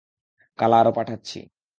কাল আরো পাঠাচ্ছি।